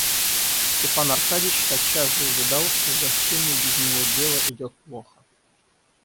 Степан Аркадьич тотчас же увидал, что в гостиной без него дело идет плохо.